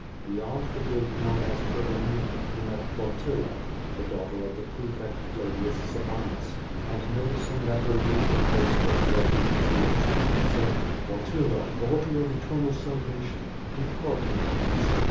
Beyond the gate known as Tergemina ho met Plant ilia, the daughter of the prefect, Flavins Sabinus, and noticing that her youthful face was wet with tears, ho said: "Plautilla, daughter of eternal salvation, depart in peace.